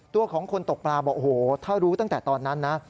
ตัวของคนตกปลาบอกโอ้โหถ้ารู้ตั้งแต่ตอนนั้นนะ